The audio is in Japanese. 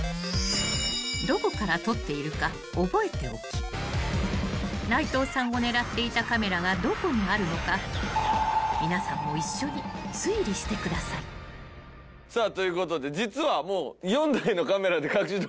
［どこから撮っているか覚えておき内藤さんを狙っていたカメラがどこにあるのか皆さんも一緒に推理してください］さあということで。